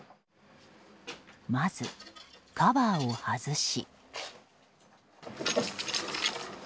まず、カバーを外し。